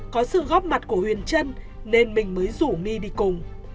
có sự góp mặt của huyền trân nên mình mới rủ my đi cùng